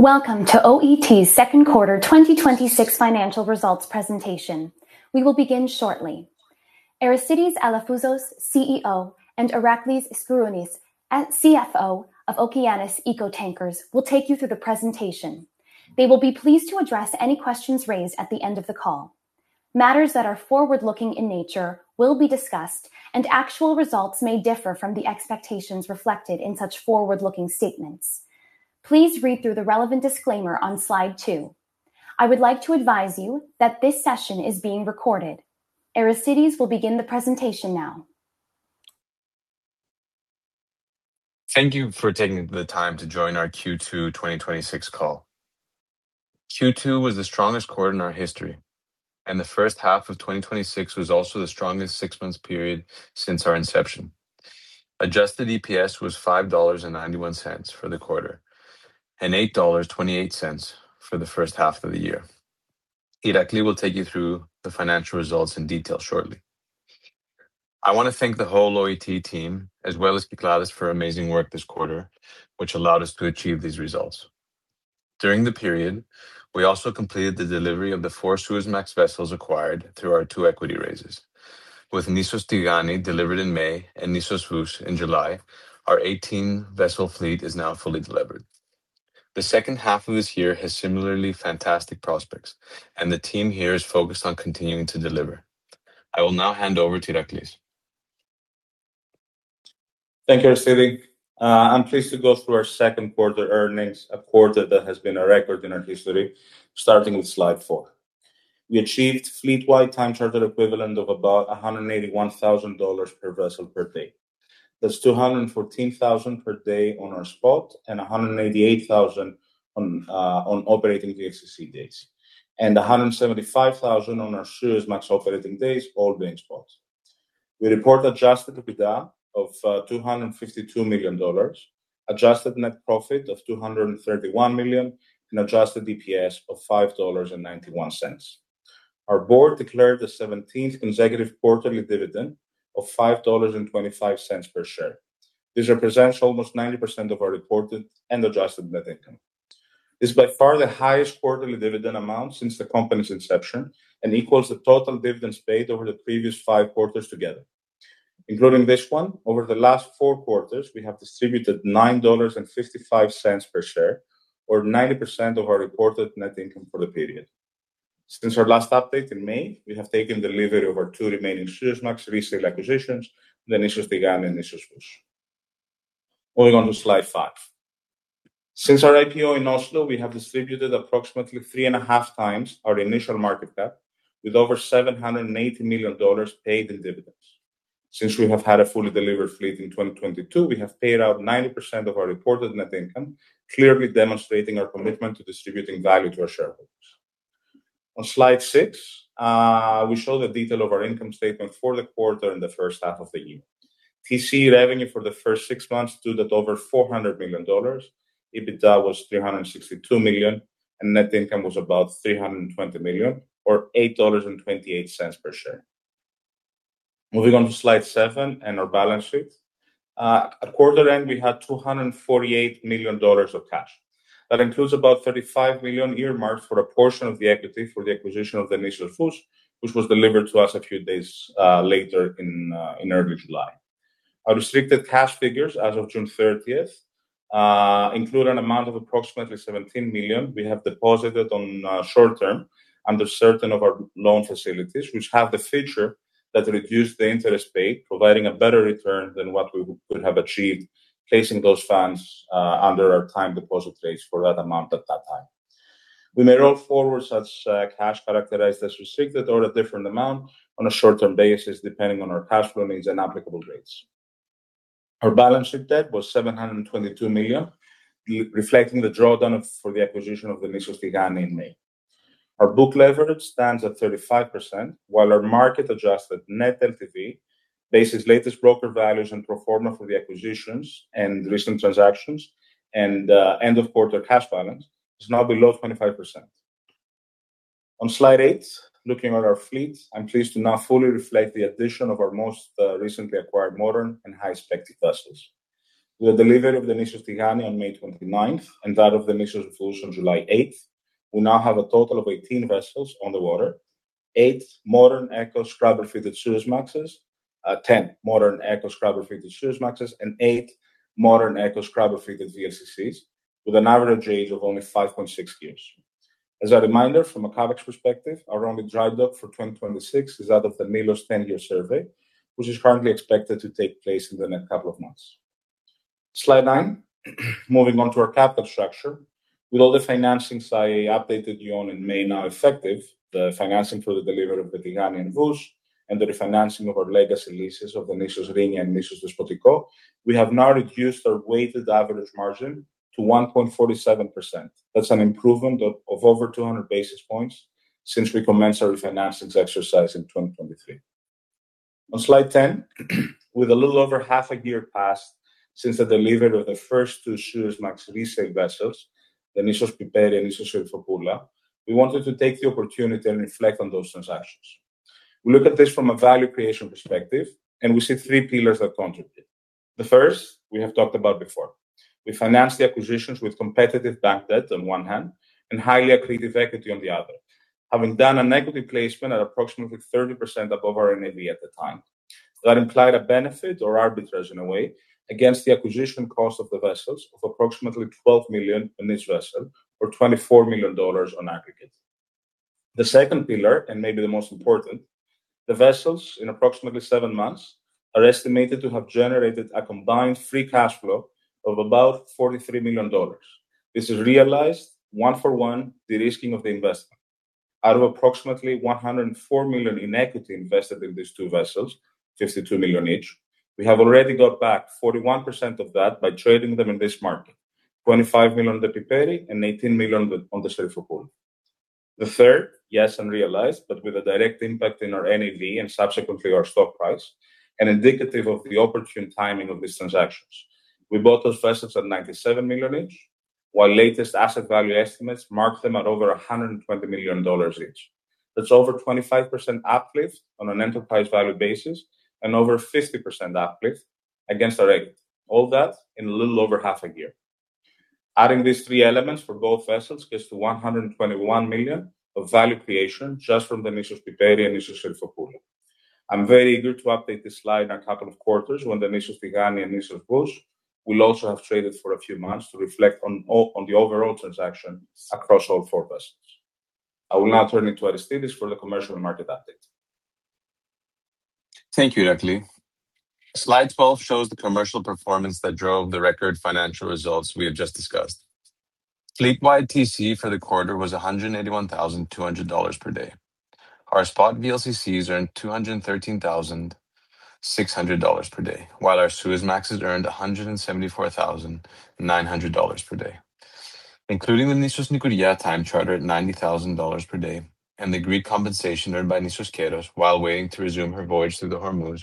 Welcome to OET's second quarter 2026 financial results presentation. We will begin shortly. Aristidis Alafouzos, CEO, and Iraklis Sbarounis, CFO of Okeanis Eco Tankers will take you through the presentation. They will be pleased to address any questions raised at the end of the call. Matters that are forward-looking in nature will be discussed. Actual results may differ from the expectations reflected in such forward-looking statements. Please read through the relevant disclaimer on slide four. I would like to advise you that this session is being recorded. Aristidis will begin the presentation now. Thank you for taking the time to join our Q2 2026 call. Q2 was the strongest quarter in our history. The first half of 2026 was also the strongest six months period since our inception. Adjusted EPS was $5.91 for the quarter. $8.28 for the first half of the year. Iraklis will take you through the financial results in detail shortly. I want to thank the whole OET team, as well as Kyklades for amazing work this quarter, which allowed us to achieve these results. During the period, we also completed the delivery of the four Suezmax vessels acquired through our two equity raises. With Nissos Tigani delivered in May and Nissos Vous in July, our 18-vessel fleet is now fully delivered. The second half of this year has similarly fantastic prospects. The team here is focused on continuing to deliver. I will now hand over to Iraklis. Thank you, Aristidis. I'm pleased to go through our second quarter earnings, a quarter that has been a record in our history, starting with slide four. We achieved fleet-wide Time Charter Equivalent of about $181,000 per vessel per day. That's $214,000 per day on our spot. $188,000 on operating VLCC days. $175,000 on our Suezmax operating days, all being spot. We report Adjusted EBITDA of $252 million, Adjusted Net Profit of $231 million, and Adjusted DPS of $5.91. Our board declared the 17th consecutive quarterly dividend of $5.25 per share. This represents almost 90% of our reported and adjusted net income. This is by far the highest quarterly dividend amount since the company's inception. It equals the total dividends paid over the previous five quarters together. Including this one, over the last four quarters, we have distributed $9.55 per share or 90% of our reported net income for the period. Since our last update in May, we have taken delivery of our two remaining Suezmax resale acquisitions, the Nissos Tigani and Nissos Vous. Moving on to slide five. Since our IPO in Oslo, we have distributed approximately three and a half times our initial market cap, with over $780 million paid in dividends. Since we have had a fully delivered fleet in 2022, we have paid out 90% of our reported net income, clearly demonstrating our commitment to distributing value to our shareholders. On slide six, we show the detail of our income statement for the quarter and the first six months of the year. TCE revenue for the first six months stood at over $400 million. EBITDA was $362 million. Net income was about $320 million or $8.28 per share. Moving on to slide seven and our balance sheet. At quarter end, we had $248 million of cash. That includes about $35 million earmarked for a portion of the equity for the acquisition of the Nissos Vous, which was delivered to us a few days later in early July. Our restricted cash figures as of June 30th include an amount of approximately $17 million we have deposited on short-term under certain of our loan facilities, which have the feature that reduce the interest paid, providing a better return than what we would have achieved placing those funds under our time deposit rates for that amount at that time. We may roll forward such cash characterized as restricted or a different amount on a short-term basis, depending on our cash flow needs and applicable rates. Our balance sheet debt was $722 million, reflecting the drawdown for the acquisition of the Nissos Tigani in May. Our book leverage stands at 35%, while our market-adjusted net LTV bases latest broker values and pro forma for the acquisitions and recent transactions and end-of-quarter cash balance is now below 25%. On slide eight, looking at our fleet, I'm pleased to now fully reflect the addition of our most recently acquired modern and high-spec vessels. With the delivery of the Nissos Tigani on May 29th and that of the Nissos Vous on July 8th, we now have a total of 18 vessels on the water, eight modern eco scrubber-fitted Suezmaxes, 10 modern eco scrubber-fitted Suezmaxes, and eight modern eco scrubber-fitted VLCCs with an average age of only 5.6 years. As a reminder, from a CapEx perspective, our only dry dock for 2026 is that of the Milos 10-year survey, which is currently expected to take place in the next couple of months. Slide nine, moving on to our capital structure. With all the financings I updated you on in May now effective, the financing for the delivery of the Tigani and Vous and the refinancing of our legacy leases of the Nissos Rhenia and Nissos Despotiko, we have now reduced our weighted average margin to 1.47%. That's an improvement of over 200 basis points since we commenced our refinancing exercise in 2023. On slide 10, with a little over half a year passed since the delivery of the first two Suezmax resale vessels, the Nissos Piperi and Nissos Serifopoula, we wanted to take the opportunity and reflect on those transactions. We look at this from a value creation perspective. We see three pillars that contribute. The first, we have talked about before. We financed the acquisitions with competitive bank debt on one hand and highly accretive equity on the other. Having done an equity placement at approximately 30% above our NAV at the time. That implied a benefit or arbitrage in a way against the acquisition cost of the vessels of approximately $12 million on each vessel or $24 million on aggregate. The second pillar, and maybe the most important, the vessels in approximately seven months are estimated to have generated a combined free cash flow of about $43 million. This has realized one for one, the de-risking of the investment. Out of approximately $104 million in equity invested in these two vessels, $52 million each, we have already got back 41% of that by trading them in this market, $25 million on the Piperi and $18 million on the Serifopoula. The third, yes, realized, but with a direct impact in our NAV and subsequently our stock price and indicative of the opportune timing of these transactions. We bought those vessels at $97 million each, while latest asset value estimates mark them at over $120 million each. That's over 25% uplift on an enterprise value basis and over 50% uplift against our equity. All that in a little over half a year. Adding these three elements for both vessels gets to $121 million of value creation just from the Nissos Piperi and Nissos Serifopoula. I'm very eager to update this slide in a couple of quarters when the Nissos Tigani and Nissos Vous will also have traded for a few months to reflect on the overall transaction across all four vessels. I will now turn it to Aristidis for the commercial and market update. Thank you, Iraklis. Slide 12 shows the commercial performance that drove the record financial results we have just discussed. Fleet wide TC for the quarter was $181,200 per day. Our spot VLCCs earned $213,600 per day, while our Suezmaxes earned $174,900 per day. Including the Nissos Nikouria time charter at $90,000 per day and the agreed compensation earned by Nissos Keros while waiting to resume her voyage through the Hormuz,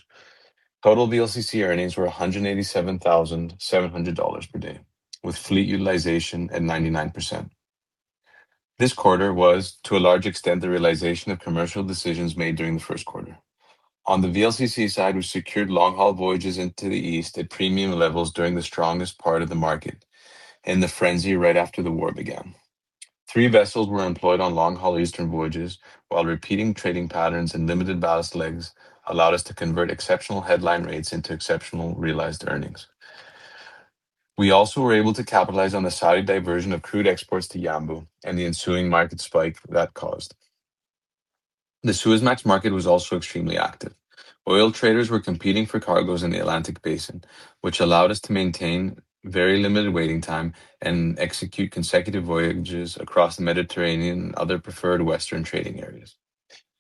total VLCC earnings were $187,700 per day, with Fleet Utilization at 99%. This quarter was, to a large extent, the realization of commercial decisions made during the first quarter. On the VLCC side, we secured long-haul voyages into the East at premium levels during the strongest part of the market and the frenzy right after the war began. Three vessels were employed on long-haul Eastern voyages, while repeating trading patterns and limited ballast legs allowed us to convert exceptional headline rates into exceptional realized earnings. We also were able to capitalize on the Saudi diversion of crude exports to Yanbu and the ensuing market spike that caused. The Suezmax market was also extremely active. Oil traders were competing for cargoes in the Atlantic Basin, which allowed us to maintain very limited waiting time and execute consecutive voyages across the Mediterranean and other preferred Western trading areas.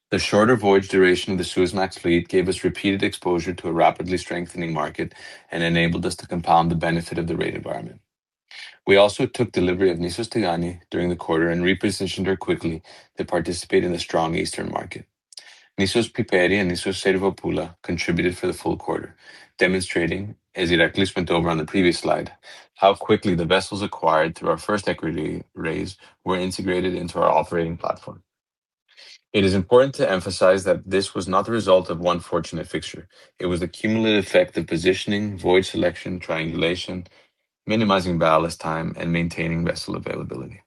The shorter voyage duration of the Suezmax fleet gave us repeated exposure to a rapidly strengthening market and enabled us to compound the benefit of the rate environment. We also took delivery of Nissos Tigani during the quarter and repositioned her quickly to participate in the strong Eastern market. Nissos Piperi and Nissos Serifopoula contributed for the full quarter, demonstrating, as Iraklis went over on the previous slide, how quickly the vessels acquired through our first equity raise were integrated into our operating platform. It is important to emphasize that this was not the result of one fortunate fixture. It was the cumulative effect of positioning, voyage selection, triangulation, minimizing ballast time, and maintaining vessel availability.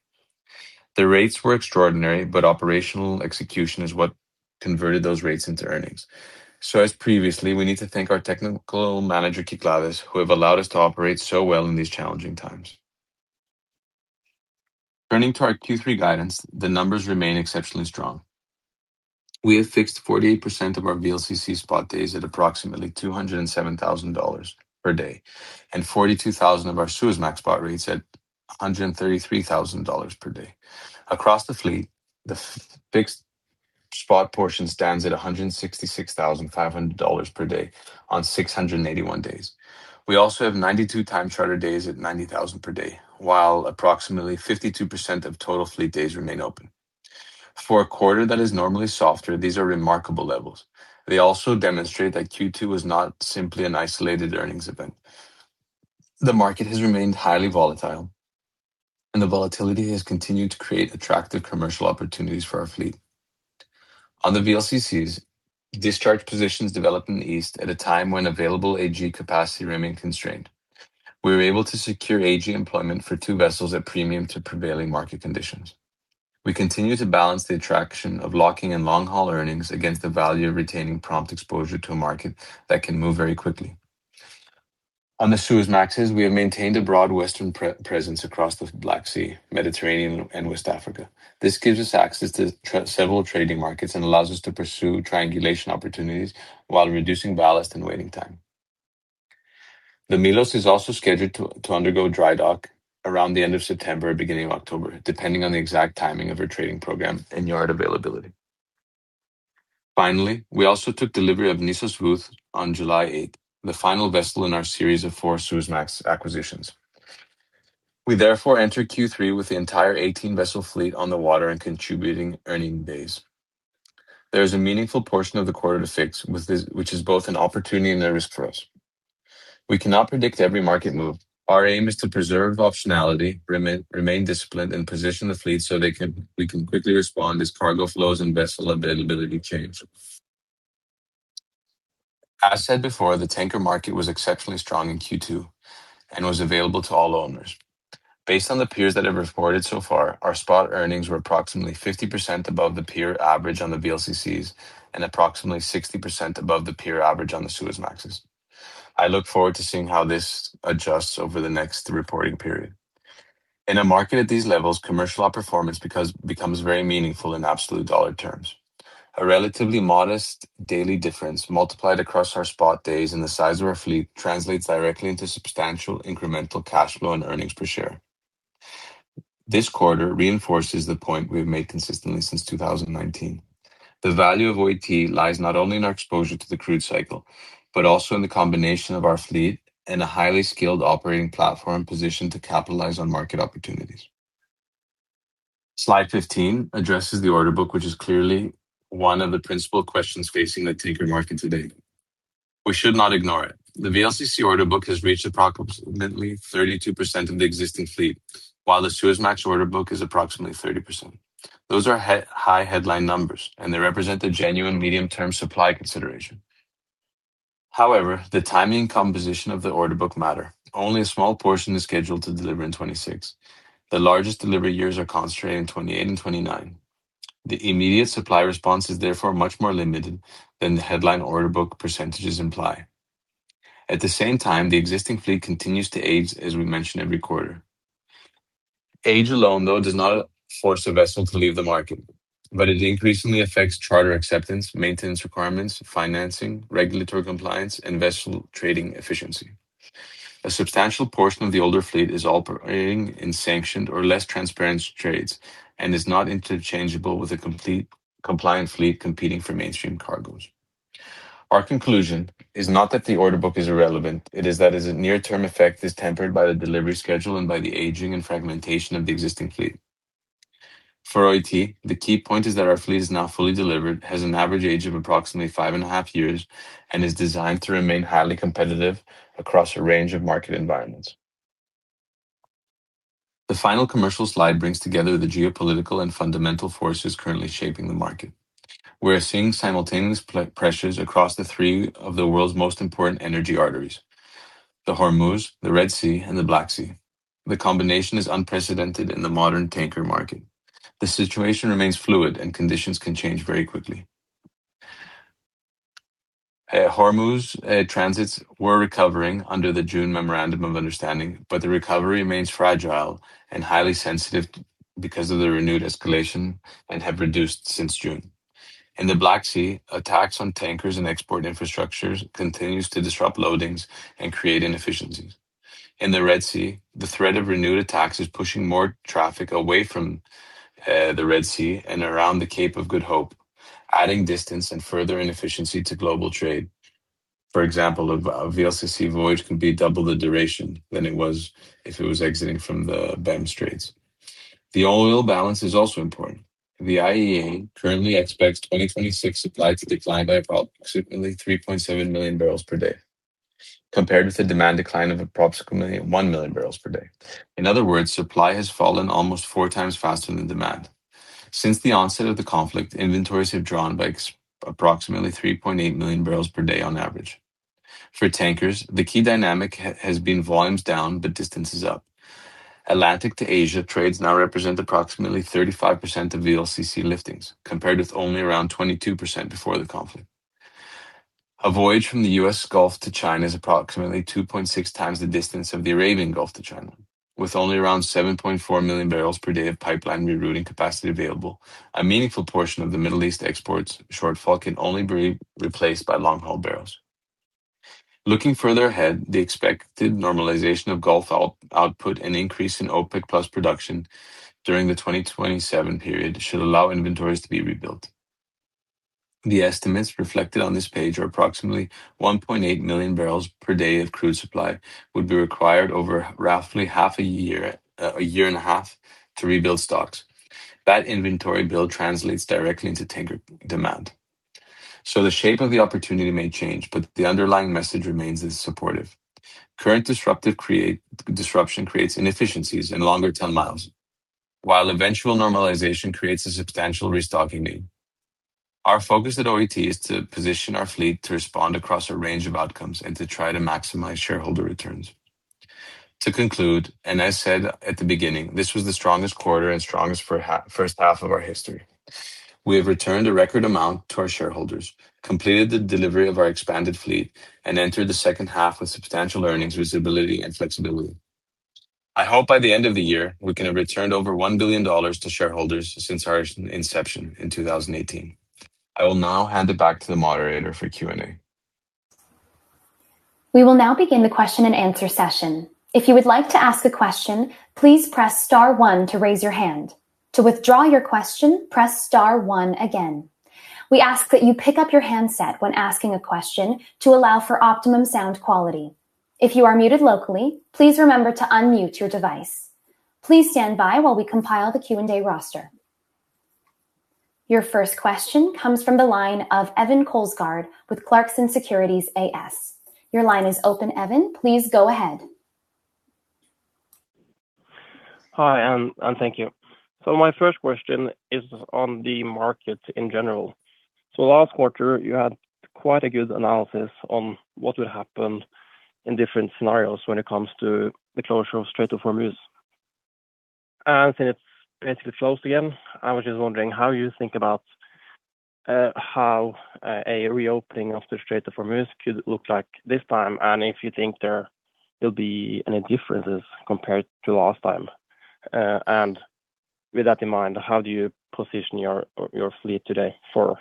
The rates were extraordinary, but operational execution is what converted those rates into earnings. As previously, we need to thank our technical manager, Kyklades, who have allowed us to operate so well in these challenging times. Turning to our Q3 guidance, the numbers remain exceptionally strong. We have fixed 48% of our VLCC spot days at approximately $207,000 per day and 42,000 of our Suezmax spot rates at $133,000 per day. Across the fleet, the fixed spot portion stands at $166,500 per day on 681 days. We also have 92 time charter days at $90,000 per day, while approximately 52% of total fleet days remain open. For a quarter that is normally softer, these are remarkable levels. They also demonstrate that Q2 was not simply an isolated earnings event. The market has remained highly volatile, and the volatility has continued to create attractive commercial opportunities for our fleet. On the VLCCs, discharge positions developed in the East at a time when available AG capacity remained constrained. We were able to secure AG employment for two vessels at premium to prevailing market conditions. We continue to balance the attraction of locking in long-haul earnings against the value of retaining prompt exposure to a market that can move very quickly. On the Suezmaxes, we have maintained a broad Western presence across the Black Sea, Mediterranean, and West Africa. This gives us access to several trading markets and allows us to pursue triangulation opportunities while reducing ballast and waiting time. The Milos is also scheduled to undergo dry dock around the end of September, beginning of October, depending on the exact timing of her trading program and yard availability. Finally, we also took delivery of Nissos Vous on July 8th, the final vessel in our series of four Suezmax acquisitions. We therefore enter Q3 with the entire 18-vessel fleet on the water and contributing earning days. There is a meaningful portion of the quarter to fix which is both an opportunity and a risk for us. We cannot predict every market move. Our aim is to preserve optionality, remain disciplined, and position the fleet so we can quickly respond as cargo flows and vessel availability change. As said before, the tanker market was exceptionally strong in Q2 and was available to all owners. Based on the peers that have reported so far, our spot earnings were approximately 50% above the peer average on the VLCCs and approximately 60% above the peer average on the Suezmaxes. I look forward to seeing how this adjusts over the next reporting period. In a market at these levels, commercial outperformance becomes very meaningful in absolute dollar terms. A relatively modest daily difference multiplied across our spot days and the size of our fleet translates directly into substantial incremental cash flow and earnings per share. This quarter reinforces the point we've made consistently since 2019. The value of OET lies not only in our exposure to the crude cycle, but also in the combination of our fleet and a highly skilled operating platform positioned to capitalize on market opportunities. Slide 15 addresses the order book, which is clearly one of the principal questions facing the tanker market today. We should not ignore it. The VLCC order book has reached approximately 32% of the existing fleet, while the Suezmax order book is approximately 30%. Those are high headline numbers, and they represent a genuine medium-term supply consideration. However, the timing and composition of the order book matter. Only a small portion is scheduled to deliver in 2026. The largest delivery years are concentrated in 2028 and 2029. The immediate supply response is therefore much more limited than the headline order book percentages imply. At the same time, the existing fleet continues to age, as we mention every quarter. Age alone, though, does not force a vessel to leave the market, but it increasingly affects charter acceptance, maintenance requirements, financing, regulatory compliance, and vessel trading efficiency. A substantial portion of the older fleet is operating in sanctioned or less transparent trades and is not interchangeable with a compliant fleet competing for mainstream cargoes. Our conclusion is not that the order book is irrelevant. It is that its near-term effect is tempered by the delivery schedule and by the aging and fragmentation of the existing fleet. For OET, the key point is that our fleet is now fully delivered, has an average age of approximately five and a half years, and is designed to remain highly competitive across a range of market environments. The final commercial slide brings together the geopolitical and fundamental forces currently shaping the market. We're seeing simultaneous pressures across the three of the world's most important energy arteries: the Hormuz, the Red Sea, and the Black Sea. The combination is unprecedented in the modern tanker market. The situation remains fluid and conditions can change very quickly. Hormuz transits were recovering under the June Memorandum of Understanding, but the recovery remains fragile and highly sensitive because of the renewed escalation and have reduced since June. In the Black Sea, attacks on tankers and export infrastructures continue to disrupt loadings and create inefficiencies. In the Red Sea, the threat of renewed attacks is pushing more traffic away from the Red Sea and around the Cape of Good Hope, adding distance and further inefficiency to global trade. For example, a VLCC voyage can be double the duration than it was if it was exiting from the Bab-el-Mandeb. The oil balance is also important. The IEA currently expects 2026 supply to decline by approximately 3.7 million barrels per day, compared with a demand decline of approximately 1 million barrels per day. In other words, supply has fallen almost four times faster than demand. Since the onset of the conflict, inventories have drawn by approximately 3.8 million barrels per day on average. For tankers, the key dynamic has been volumes down, but distances up. Atlantic to Asia trades now represent approximately 35% of VLCC liftings, compared with only around 22% before the conflict. A voyage from the U.S. Gulf to China is approximately 2.6 times the distance of the Arabian Gulf to China. With only around 7.4 million barrels per day of pipeline rerouting capacity available, a meaningful portion of the Middle East exports shortfall can only be replaced by long-haul barrels. Looking further ahead, the expected normalization of Gulf output and increase in OPEC+ production during the 2027 period should allow inventories to be rebuilt. The estimates reflected on this page are approximately 1.8 million barrels per day of crude supply would be required over roughly a year and a half to rebuild stocks. That inventory build translates directly into tanker demand. The shape of the opportunity may change, but the underlying message remains it is supportive. Current disruption creates inefficiencies and longer tonne-miles, while eventual normalization creates a substantial restocking need. Our focus at OET is to position our fleet to respond across a range of outcomes and to try to maximize shareholder returns. To conclude, as I said at the beginning, this was the strongest quarter and strongest first half of our history. We have returned a record amount to our shareholders, completed the delivery of our expanded fleet, and entered the second half with substantial earnings visibility and flexibility. I hope by the end of the year, we can have returned over $1 billion to shareholders since our inception in 2018. I will now hand it back to the moderator for Q&A. We will now begin the question and answer session. If you would like to ask a question, please press star one to raise your hand. To withdraw your question, press star one again. We ask that you pick up your handset when asking a question to allow for optimum sound quality. If you are muted locally, please remember to unmute your device. Please stand by while we compile the Q&A roster. Your first question comes from the line of Even Kolsgaard with Clarksons Securities AS. Your line is open, Even. Please go ahead. Hi, and thank you. My first question is on the market in general. Last quarter, you had quite a good analysis on what would happen in different scenarios when it comes to the closure of Strait of Hormuz. Since it's basically closed again, I was just wondering how you think about how a reopening of the Strait of Hormuz could look like this time, and if you think there will be any differences compared to last time. With that in mind, how do you position your fleet today for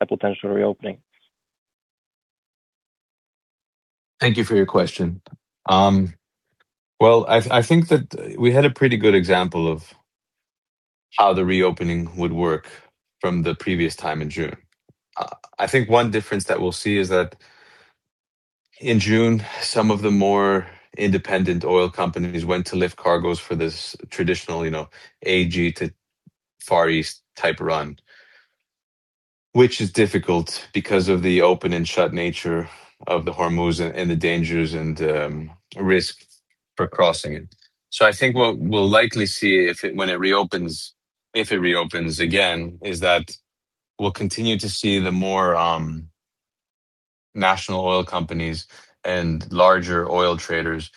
a potential reopening? Thank you for your question. I think that we had a pretty good example of how the reopening would work from the previous time in June. I think one difference that we'll see is that in June, some of the more independent oil companies went to lift cargoes for this traditional AG to Far East type run, which is difficult because of the open-and-shut nature of the Hormuz and the dangers and risk for crossing it. I think what we'll likely see when it reopens, if it reopens again, is that we'll continue to see the more national oil companies and larger oil traders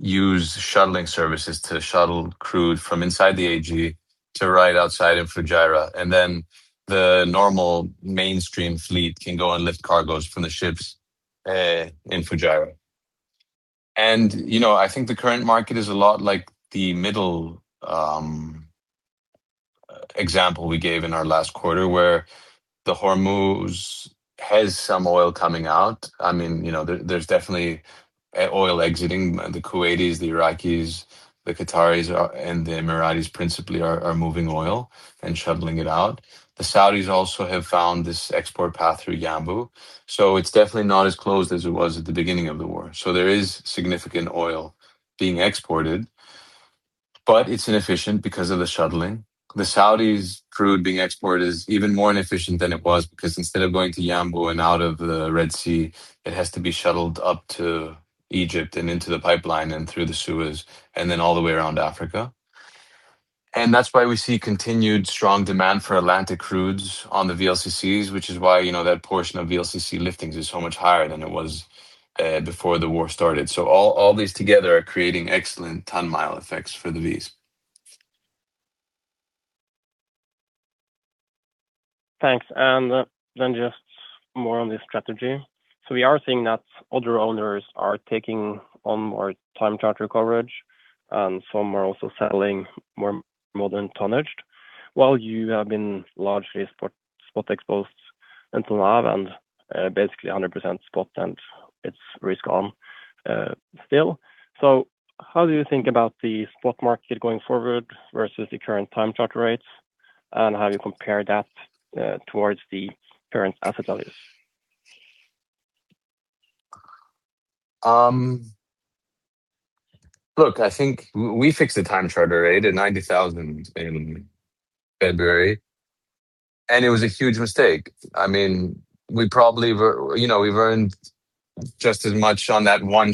use shuttling services to shuttle crude from inside the AG to right outside in Fujairah. The normal mainstream fleet can go and lift cargoes from the ships, in Fujairah. I think the current market is a lot like the middle example we gave in our last quarter where the Hormuz has some oil coming out. There's definitely oil exiting. The Kuwaitis, the Iraqis, the Qataris, and the Emiratis principally are moving oil and shuttling it out. The Saudis also have found this export path through Yanbu, so it's definitely not as closed as it was at the beginning of the war. There is significant oil being exported, but it's inefficient because of the shuttling. The Saudis' crude being exported is even more inefficient than it was because instead of going to Yanbu and out of the Red Sea, it has to be shuttled up to Egypt and into the pipeline and through the Suez and then all the way around Africa. That's why we see continued strong demand for Atlantic crudes on the VLCCs, which is why that portion of VLCC liftings is so much higher than it was, before the war started. All these together are creating excellent tonne-mile effects for the Vs. Thanks. Just more on the strategy. We are seeing that other owners are taking on more time charter coverage, and some are also settling more than tonnaged. While you have been largely spot exposed until now and basically 100% spot and it's risk on still. How do you think about the spot market going forward versus the current time charter rates? How do you compare that towards the current asset values? Look, I think we fixed the time charter rate at $90,000 in February, and it was a huge mistake. We've earned just as much on that one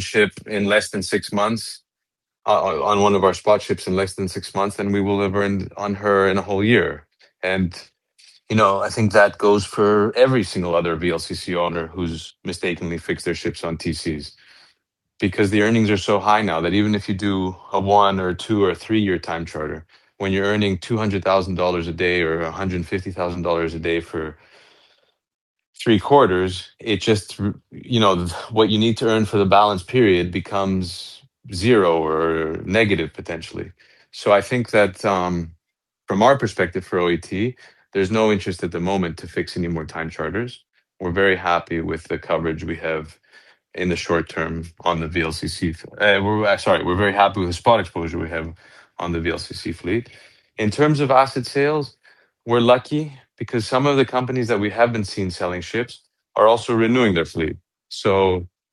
ship in less than six months, on one of our spot ships in less than six months than we will have earned on her in a whole year. I think that goes for every single other VLCC owner who's mistakenly fixed their ships on TCs. Because the earnings are so high now that even if you do a one- or a two- or a three-year time charter, when you're earning $200,000 a day or $150,000 a day for three quarters, what you need to earn for the balance period becomes zero or negative potentially. I think that from our perspective for OET, there's no interest at the moment to fix any more time charters. We're very happy with the coverage we have in the short term on the VLCC. Sorry, we're very happy with the spot exposure we have on the VLCC fleet. In terms of asset sales, we're lucky because some of the companies that we have been seeing selling ships are also renewing their fleet.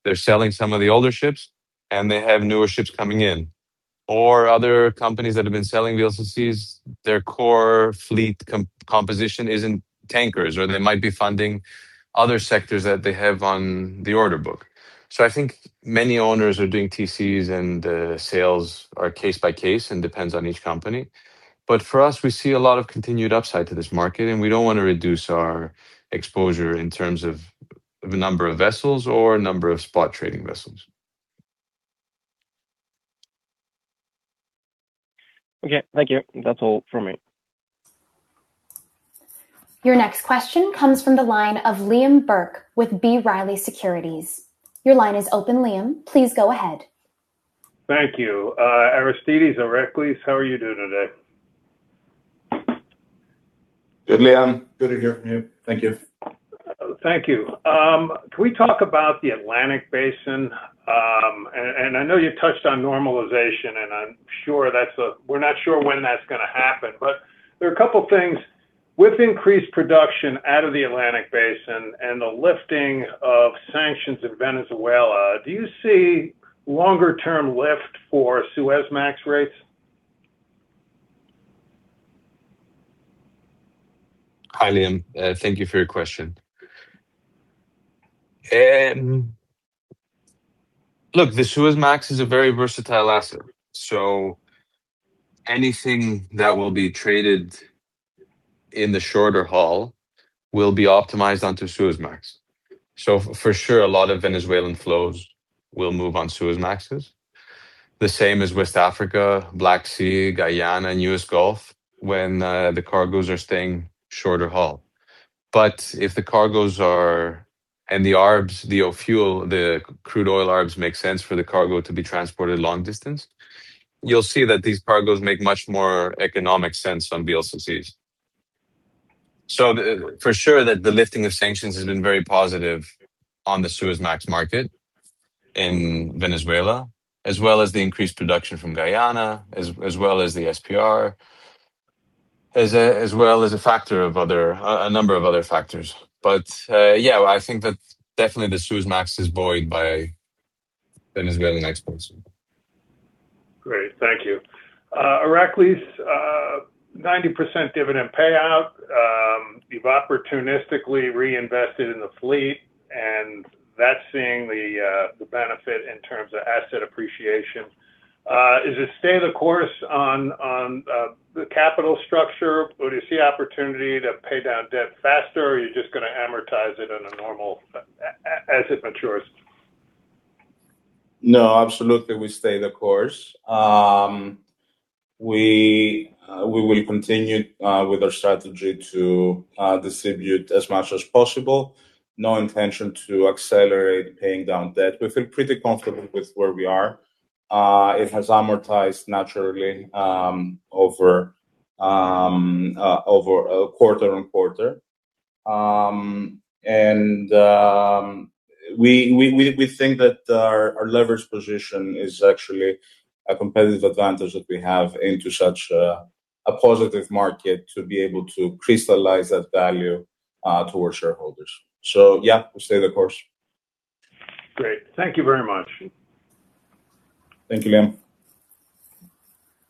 They're selling some of the older ships and they have newer ships coming in. Other companies that have been selling VLCCs, their core fleet composition is in tankers, or they might be funding other sectors that they have on the order book. I think many owners are doing TCs and the sales are case by case and depends on each company. For us, we see a lot of continued upside to this market, and we don't want to reduce our exposure in terms of number of vessels or number of spot trading vessels. Okay. Thank you. That's all from me. Your next question comes from the line of Liam Burke with B. Riley Securities. Your line is open, Liam. Please go ahead. Thank you. Aristidis or Iraklis, how are you doing today? Good, Liam. Good to hear from you. Thank you. Thank you. Can we talk about the Atlantic Basin? I know you touched on normalization, we're not sure when that's going to happen. There are a couple of things. With increased production out of the Atlantic Basin and the lifting of sanctions in Venezuela, do you see longer-term lift for Suezmax rates? Hi, Liam. Thank you for your question. The Suezmax is a very versatile asset, anything that will be traded in the shorter haul will be optimized onto Suezmax. For sure, a lot of Venezuelan flows will move on Suezmaxes. The same as West Africa, Black Sea, Guyana, and U.S. Gulf when the cargoes are staying shorter haul. If the cargoes are, and the arbs, the crude oil arbs make sense for the cargo to be transported long distance, you'll see that these cargoes make much more economic sense on VLCCs. For sure that the lifting of sanctions has been very positive on the Suezmax market in Venezuela, as well as the increased production from Guyana, as well as the SPR, as well as a number of other factors. I think that definitely the Suezmax is buoyed by Venezuelan exports. Great. Thank you. Iraklis, 90% dividend payout. You've opportunistically reinvested in the fleet, and that's seeing the benefit in terms of asset appreciation. Is it stay the course on the capital structure, or do you see opportunity to pay down debt faster, or are you just going to amortize it as it matures? Absolutely we stay the course. We will continue with our strategy to distribute as much as possible. No intention to accelerate paying down debt. We feel pretty comfortable with where we are. It has amortized naturally quarter-on-quarter. We think that our leverage position is actually a competitive advantage that we have into such a positive market to be able to crystallize that value to our shareholders. We stay the course. Great. Thank you very much. Thank you, Liam.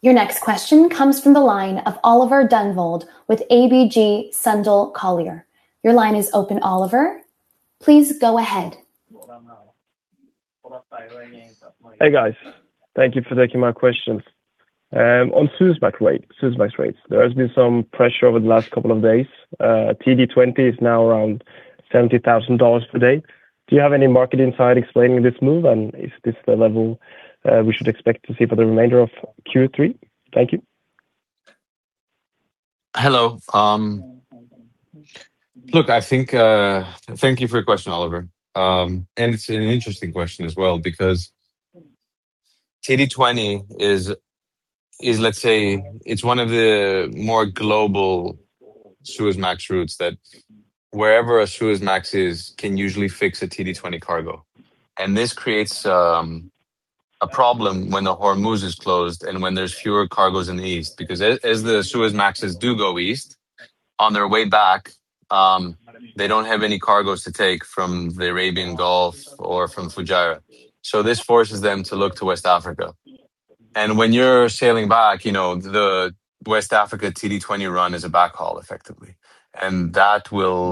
Your next question comes from the line of Oliver Dunvold with ABG Sundal Collier. Your line is open, Oliver. Please go ahead. Hey, guys. Thank you for taking my questions. On Suezmax rates, there has been some pressure over the last couple of days. TD20 is now around $70,000 today. Do you have any market insight explaining this move? Is this the level we should expect to see for the remainder of Q3? Thank you. Hello. Thank you for your question, Oliver. It's an interesting question as well because TD20 is one of the more global Suezmax routes that wherever a Suezmax is can usually fix a TD20 cargo. This creates a problem when the Hormuz is closed and when there's fewer cargoes in the east, because as the Suezmaxes do go east, on their way back, they don't have any cargoes to take from the Arabian Gulf or from Fujairah. This forces them to look to West Africa. When you're sailing back, the West Africa TD20 run is a backhaul, effectively, and that will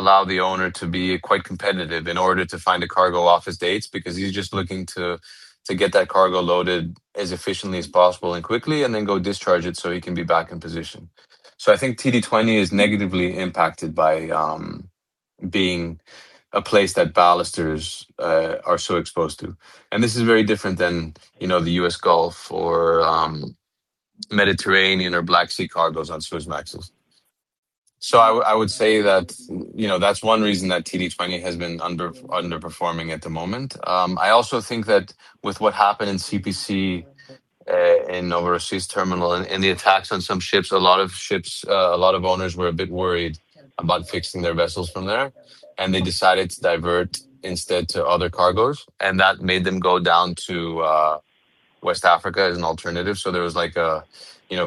allow the owner to be quite competitive in order to find a cargo off his dates, because he's just looking to get that cargo loaded as efficiently as possible and quickly, and then go discharge it so he can be back in position. I think TD20 is negatively impacted by being a place that ballasters are so exposed to. This is very different than the U.S. Gulf or Mediterranean or Black Sea cargoes on Suezmaxes. I would say that's one reason that TD20 has been underperforming at the moment. I also think that with what happened in CPC in overseas terminal and the attacks on some ships, a lot of owners were a bit worried about fixing their vessels from there, and they decided to divert instead to other cargoes, and that made them go down to West Africa as an alternative. There was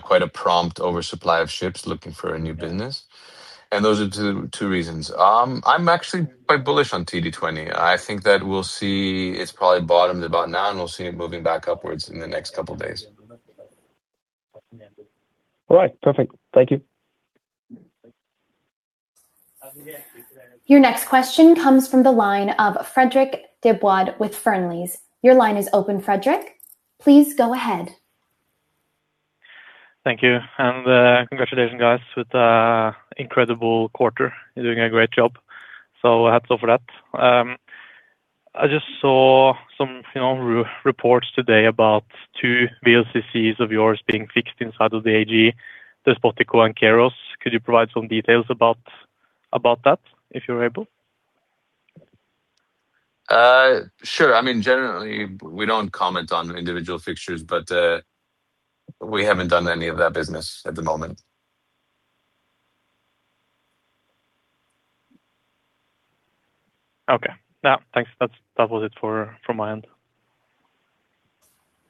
quite a prompt oversupply of ships looking for a new business. Those are two reasons. I'm actually quite bullish on TD20. I think that we'll see it's probably bottomed about now, and we'll see it moving back upwards in the next couple of days. All right. Perfect. Thank you. Your next question comes from the line of Fredrik Dybwad with Fearnleys. Your line is open, Fredrik. Please go ahead. Thank you. Congratulations, guys, with an incredible quarter. You're doing a great job. Hats off for that. I just saw some reports today about two VLCCs of yours being fixed inside of the AG, the Despotiko and Keros. Could you provide some details about that if you're able? Sure. Generally, we don't comment on individual fixtures, but we haven't done any of that business at the moment. Okay. Thanks. That was it from my end.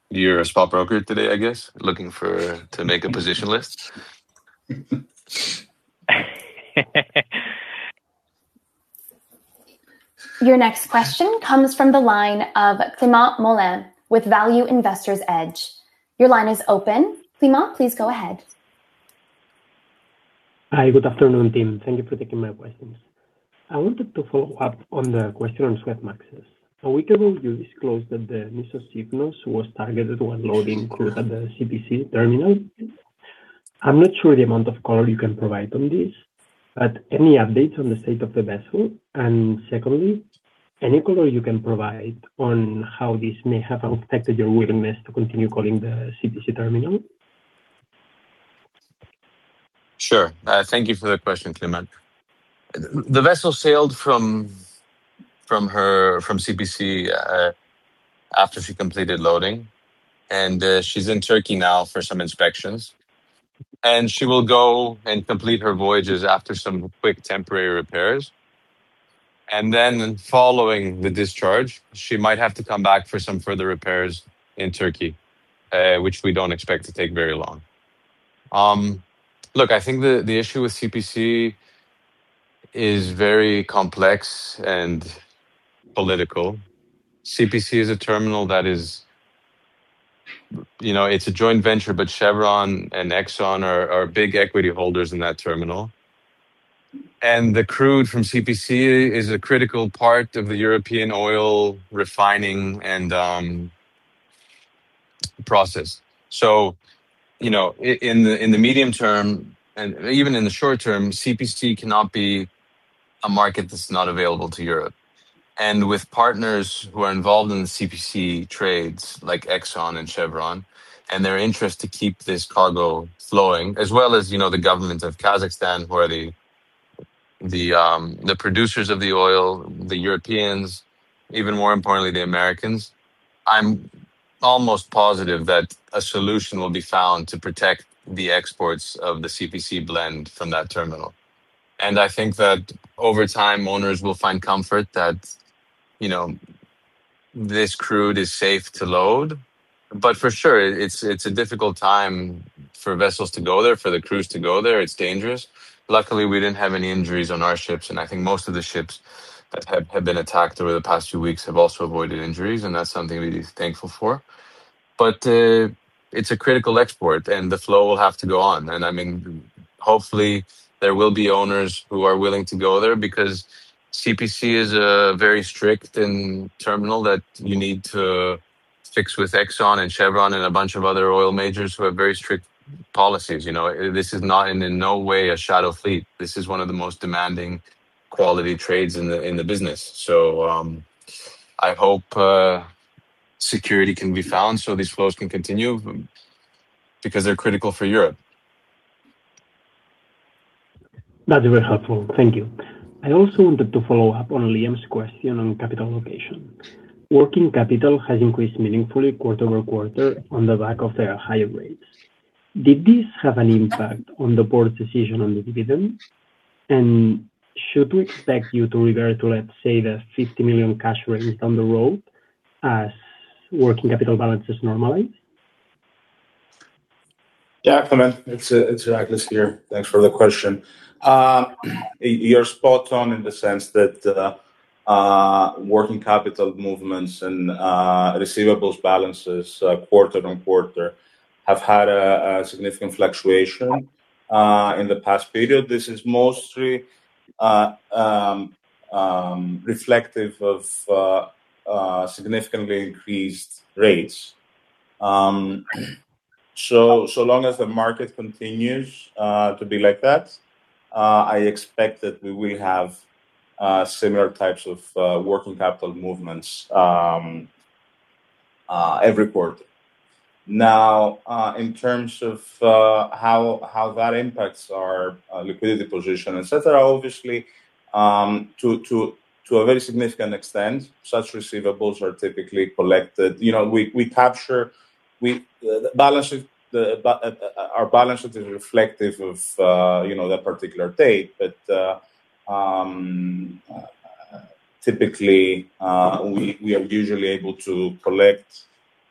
You're a spot broker today, I guess, looking to make a position list? Your next question comes from the line of Climent Molins with Value Investor's Edge. Your line is open. Climent, please go ahead. Hi. Good afternoon, team. Thank you for taking my questions. I wanted to follow up on the question on Suezmaxes. A week ago, you disclosed that the Nissos Sifnos was targeted while loading crude at the CPC terminal. I'm not sure the amount of color you can provide on this, but any updates on the state of the vessel? Secondly, any color you can provide on how this may have affected your willingness to continue calling the CPC terminal? Sure. Thank you for the question, Climent. The vessel sailed from CPC after she completed loading. She's in Turkey now for some inspections. She will go and complete her voyages after some quick temporary repairs. Following the discharge, she might have to come back for some further repairs in Turkey, which we don't expect to take very long. Look, I think the issue with CPC is very complex and political. CPC is a terminal that is a joint venture. Chevron and Exxon are big equity holders in that terminal. The crude from CPC is a critical part of the European oil refining and process. In the medium term, even in the short term, CPC cannot be a market that's not available to Europe. With partners who are involved in the CPC trades, like Exxon and Chevron, and their interest to keep this cargo flowing, as well as the government of Kazakhstan, who are the producers of the oil, the Europeans, even more importantly, the Americans, I'm almost positive that a solution will be found to protect the exports of the CPC Blend from that terminal. I think that over time, owners will find comfort that this crude is safe to load. For sure, it's a difficult time for vessels to go there, for the crews to go there. It's dangerous. Luckily, we didn't have any injuries on our ships. I think most of the ships that have been attacked over the past few weeks have also avoided injuries, and that's something to be thankful for. It's a critical export. The flow will have to go on. Hopefully there will be owners who are willing to go there because CPC is a very strict terminal that you need to fix with Exxon, Chevron, a bunch of other oil majors who have very strict policies. This is not in no way a shadow fleet. This is one of the most demanding quality trades in the business. I hope security can be found so these flows can continue because they're critical for Europe. That's very helpful. Thank you. I also wanted to follow up on Liam's question on capital allocation. Working capital has increased meaningfully quarter-over-quarter on the back of their higher rates. Did this have an impact on the board's decision on the dividend? Should we expect you to revert to, let's say, the $50 million cash raised on the road as working capital balances normalize? Climent. It's Iraklis here. Thanks for the question. You're spot on in the sense that working capital movements and receivables balances quarter-on-quarter have had a significant fluctuation in the past period. This is mostly reflective of significantly increased rates. So long as the market continues to be like that, I expect that we will have similar types of working capital movements every quarter. Now, in terms of how that impacts our liquidity position, et cetera, obviously, to a very significant extent, such receivables are typically collected. Our balance sheet is reflective of that particular date. Typically, we are usually able to collect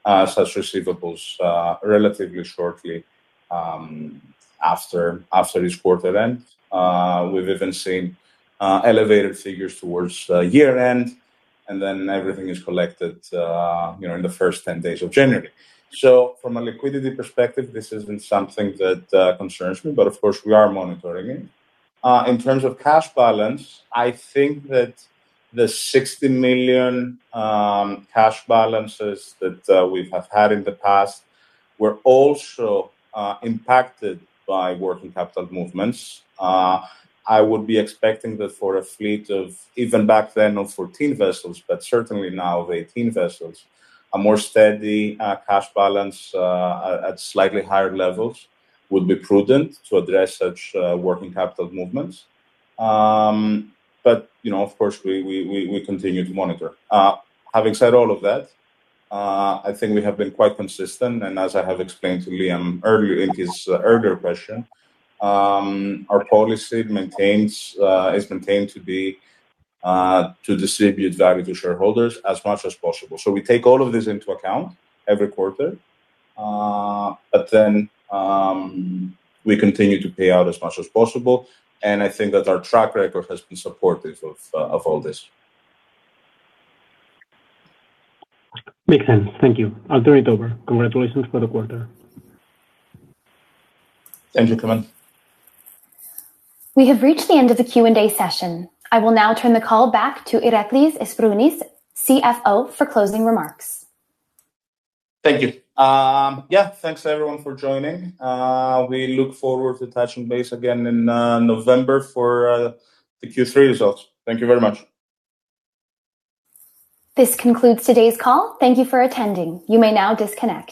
such receivables relatively shortly after each quarter ends. We've even seen elevated figures towards year-end, everything is collected in the first 10 days of January. From a liquidity perspective, this isn't something that concerns me, of course, we are monitoring it. In terms of cash balance, I think that the $60 million cash balances that we have had in the past were also impacted by working capital movements. I would be expecting that for a fleet of even back then of 14 vessels, but certainly now of 18 vessels, a more steady cash balance at slightly higher levels would be prudent to address such working capital movements. Of course, we continue to monitor. Having said all of that, I think we have been quite consistent, as I have explained to Liam earlier in his earlier question, our policy is maintained to distribute value to shareholders as much as possible. We take all of this into account every quarter. We continue to pay out as much as possible, I think that our track record has been supportive of all this. Makes sense. Thank you. I'll turn it over. Congratulations for the quarter. Thank you, Climent. We have reached the end of the Q&A session. I will now turn the call back to Iraklis Sbarounis, CFO, for closing remarks. Thank you. Yeah, thanks everyone for joining. We look forward to touching base again in November for the Q3 results. Thank you very much. This concludes today's call. Thank you for attending. You may now disconnect.